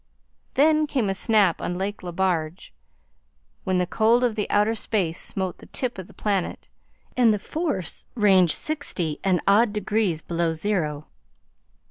Then came a snap on Lake Le Barge, when the cold of outer space smote the tip of the planet, and the force ranged sixty and odd degrees below zero.